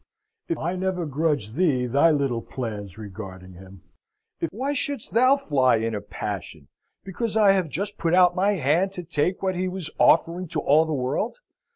I never grudged thee thy little plans regarding him. Why shouldst thou fly in a passion, because I have just put out my hand to take what he was offering to all the world?